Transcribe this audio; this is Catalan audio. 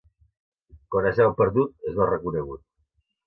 Quan es veu perdut es veu reconegut.